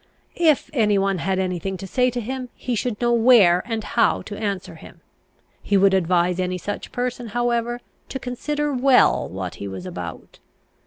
"If any one had any thing to say to him, he should know where and how to answer him. He would advise any such person, however, to consider well what he was about.